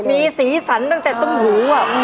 มีสีสันตั้งแต่ตรงหู